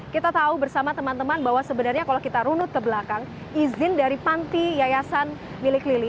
kita tahu bersama teman teman bahwa sebenarnya kalau kita runut ke belakang izin dari panti yayasan milik lili